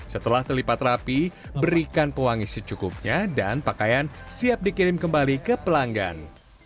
setelah terlipat rapi berikan pewangi secukupnya dan pakaian siap dikirim kembali ke pelanggan